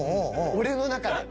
俺の中で。